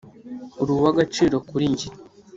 uri uwa gaciro kuri njye